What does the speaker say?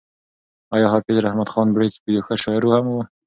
ایا حافظ رحمت خان بړیڅ یو ښه شاعر هم و؟